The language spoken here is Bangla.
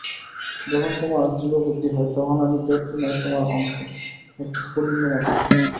যখন আমার জীব-বুদ্ধি হয়, তখন আমি জ্যোতির্ময় তোমার অংশ, একটি স্ফুলিঙ্গ মাত্র।